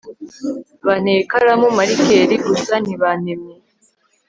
banteye ikaramu, marikeri, gusa ntibantemye